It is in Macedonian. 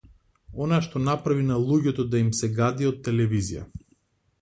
Она што направи на луѓето да им се гади од телевизија.